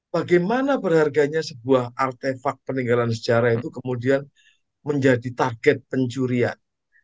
bagaimana berharganya sebuah artefak peninggalan sejarah itu kemudian menjadi target pencurian